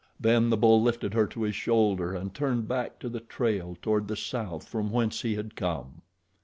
Then the bull lifted her to his shoulder and turned back to the trail toward the south from whence he had come.